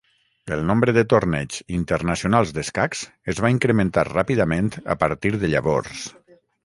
El nombre de torneigs internacionals d'escacs es va incrementar ràpidament a partir de llavors.